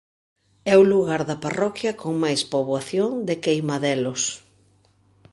É o lugar da parroquia con máis poboación de Queimadelos.